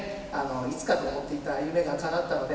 いつかと思っていた夢がかなったので。